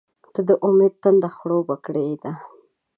• ته د امید تنده خړوبه کړې ده.